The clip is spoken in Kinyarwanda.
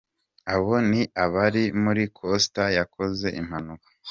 Abo ni abari muri coaster yakoze impanuka.